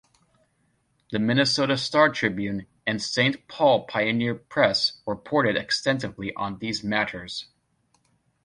The "Minnesota Star Tribune" and "Saint Paul Pioneer Press" reported extensively on these matters.